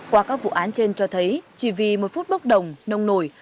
qua các vụ án trên cho thấy chỉ vì một phút bốc đồng nông nổi